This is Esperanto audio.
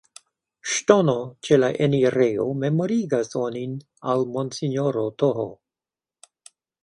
Ŝtono ĉe la enirejo memorigas onin al monsinjoro Th.